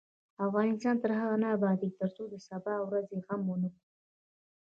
افغانستان تر هغو نه ابادیږي، ترڅو د سبا ورځې غم ونکړو.